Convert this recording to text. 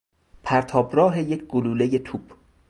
پرتابراه یک گلولهی توپ